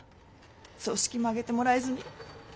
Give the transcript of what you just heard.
葬式も挙げてもらえずに。